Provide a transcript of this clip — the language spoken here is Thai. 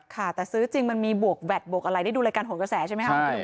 ค่ะแต่ซื้อจริงมันมีบวกแวดบวกอะไรได้ดูรายการโหนกระแสใช่ไหมครับ